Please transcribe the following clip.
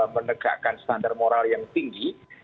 menegakkan standar moral yang tinggi